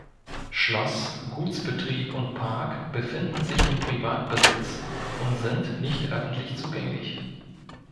Schloss, Gutsbetrieb und Park befinden sich in Privatbesitz und sind nicht öffentlich zugänglich.